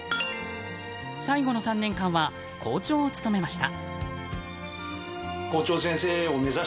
最後の３年間は校長を務めました。